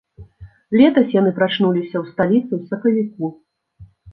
Летась яны прачнуліся ў сталіцы ў сакавіку.